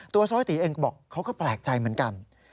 ซ้อยตีเองบอกเขาก็แปลกใจเหมือนกัน